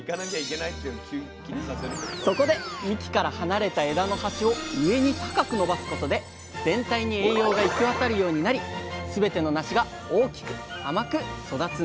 そこで幹から離れた枝の端を上に高く伸ばすことで全体に栄養が行き渡るようになりすべてのなしが大きく甘く育つんです